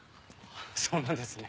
そうなんですね。